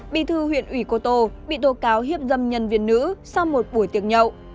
bí thư huyện ủy cô tô bị tố cáo hiếp dâm nhân viên nữ sau một buổi tiệc nhậu